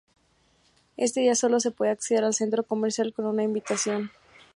Este día sólo se podía acceder al centro comercial con una invitación.